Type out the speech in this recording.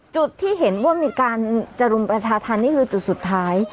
จุดที่เห็นว่ามีการจะรุมประชาธรรมนี่คือจุดสุดท้าย